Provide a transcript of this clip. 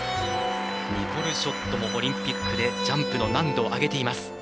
ニコル・ショットもオリンピックでジャンプの難度上げています。